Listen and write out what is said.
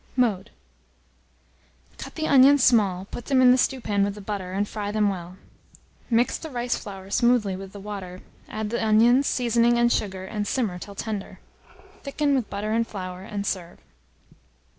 Mode. Cut the onions small, put them in the stewpan with the butter, and fry them well; mix the rice flour smoothly with the water, add the onions, seasoning, and sugar, and simmer till tender. Thicken with butter and flour, and serve.